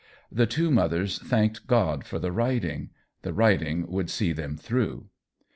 The two mothers thanked God for the riding — the riding would see them through.